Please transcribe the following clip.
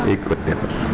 ikut ya pak